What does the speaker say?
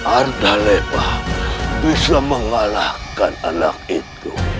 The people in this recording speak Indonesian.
arda lepa bisa mengalahkan anak itu